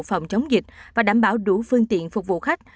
phòng chống dịch và đảm bảo đủ phương tiện phục vụ khách